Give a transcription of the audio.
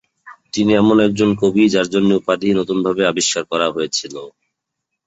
তিনি এমন একজন কবি যার জন্য উপাধি নতুনভাবে আবিষ্কার করা হয়েছিল।